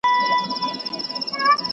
آخر ئې دښمني يا حد اقل نفرت منځ ته راځي.